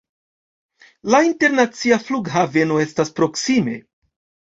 La internacia flughaveno estas proksime.